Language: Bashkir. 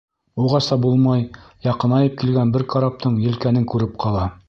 Уғаса булмай, яҡынайып килгән бер караптың елкәнен күреп ҡала.